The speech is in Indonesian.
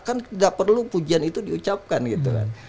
kan tidak perlu pujian itu diucapkan gitu kan